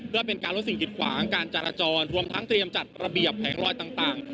รถสิ่งกิดขวางการจารจรรวมทั้งเตรียมจัดระเบียบแผงลอยต่าง